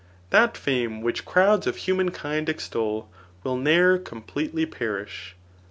That fame which crowds of human kind extol. Will ne'er completely perish.